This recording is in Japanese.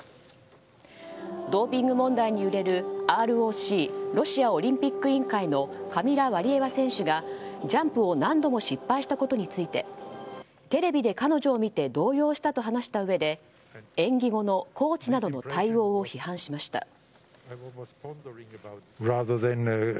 ドーピング問題に揺れるＲＯＣ・ロシアオリンピック委員会のカミラ・ワリエワ選手がジャンプを何度も失敗したことについてテレビで彼女を見て動揺したと話したうえで演技後のコーチなどの対応を批判しました。